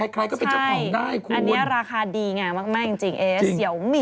ใครก็เป็นเจ้าของได้คุณ